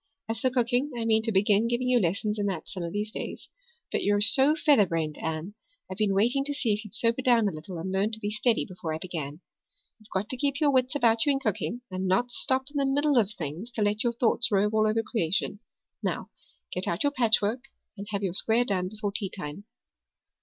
As for cooking, I mean to begin giving you lessons in that some of these days. But you're so featherbrained, Anne, I've been waiting to see if you'd sober down a little and learn to be steady before I begin. You've got to keep your wits about you in cooking and not stop in the middle of things to let your thoughts rove all over creation. Now, get out your patchwork and have your square done before teatime."